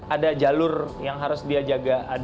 ada jalur yang harus dia jaga